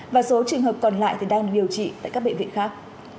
và số trường hợp còn lại thì đang được điều trị tại các bệnh viện khác